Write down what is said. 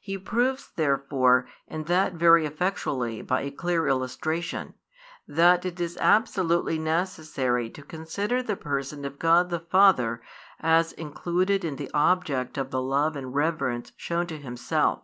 He proves therefore, and that very effectually by a clear illustration, that it is absolutely necessary to consider the Person of God the Father as included in the object of the love and reverence shown to Himself.